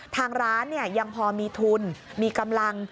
ทางร้านยังพอมีทุนมีกำลัง